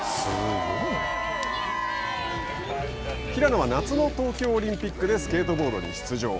平野は夏の東京オリンピックでスケートボードに出場。